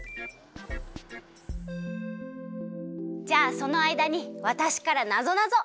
じゃあそのあいだにわたしからなぞなぞ！